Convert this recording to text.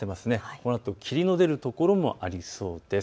このあと霧の出る所もありそうです。